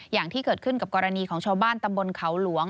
อย่างที่เกิดขึ้นกับกรณีของชาวบ้านตำบลเขาหลวง